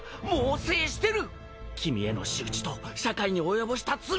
君への仕打ちと社会に及ぼした罪を！